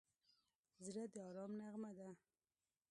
زړه د ارام نغمه ده.